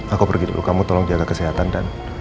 aku pergi dulu kamu tolong jaga kesehatan dan